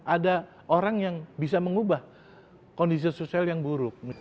ada orang yang bisa mengubah kondisi sosial yang buruk